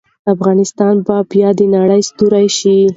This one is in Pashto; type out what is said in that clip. افغانستان به بیا د نړۍ ستوری شي.